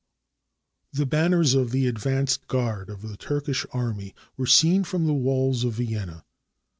] The banners of the advance guard of the Turkish army were seen from the walls of Vienna.